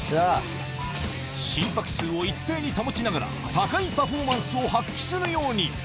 心拍数を一定に保ちながら、高いパフォーマンスを発揮するように。